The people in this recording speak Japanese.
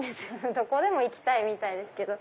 どこでも行きたいみたいですけど。